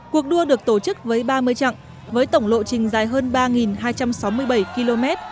cuộc đua được tổ chức với ba mươi chặng với tổng lộ trình dài hơn ba hai trăm sáu mươi bảy km